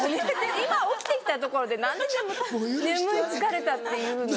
今起きて来たところで何で「眠い疲れた」って言うの？